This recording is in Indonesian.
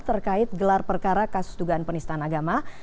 terkait gelar perkara kasus dugaan penistaan agama